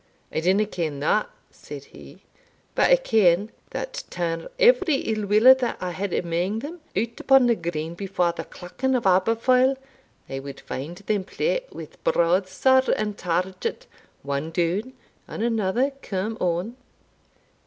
"I dinna ken that," said he; "but I ken, that turn every ill willer that I had amang them out upon the green before the Clachan of Aberfoil, I wad find them play with broadsword and target, one down and another come on."